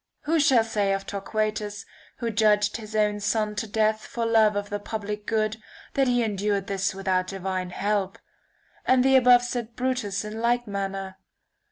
Who shall say of Torquatus, who judged his own son to death for love of the public good, that he endured this without divine help ? And the above said Brutus, in like manner